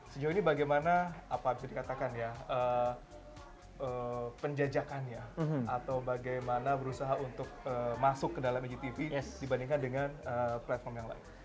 sejauh ini bagaimana penjajakannya atau bagaimana berusaha untuk masuk ke dalam igtv dibandingkan dengan platform yang lain